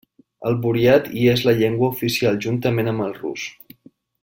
El buriat hi és la llengua oficial juntament amb el rus.